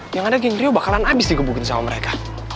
yang ada geng rio bakalan abis digebukin sama mereka